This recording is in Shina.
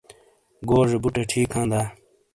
گوجے بوٹے ٹھیک ھا دا